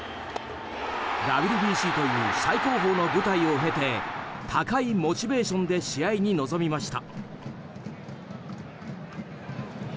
ＷＢＣという最高峰の舞台を経て高いモチベーションで試合に臨みました。